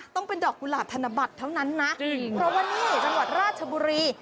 ต้องเป็นดอกกุหลาบธนบัตรเท่านั้นนะจริงจังหวัดราชบุรี